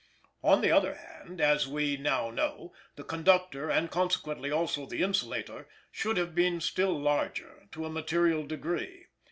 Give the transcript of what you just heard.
On the other hand, as we now know, the conductor and consequently also the insulator should have been still larger, to a material degree.